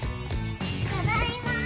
ただいまー！